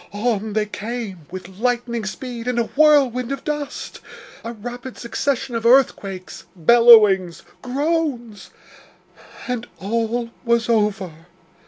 On they came, with lightning speed, in a whirlwind of dust. A rapid succession of earthquakes bellowings groans, and all was over.